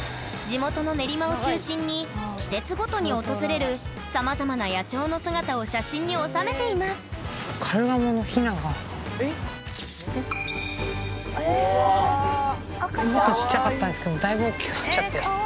地元の練馬を中心に季節ごとに訪れるさまざまな野鳥の姿を写真に収めていますうわ